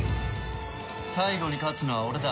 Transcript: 最後に勝つのは俺だ。